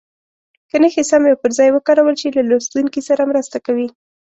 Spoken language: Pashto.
که نښې سمې او پر ځای وکارول شي له لوستونکي سره مرسته کوي.